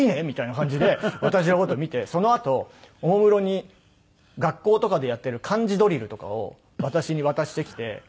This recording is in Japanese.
みたいな感じで私の事見てそのあとおもむろに学校とかでやってる漢字ドリルとかを私に渡してきて。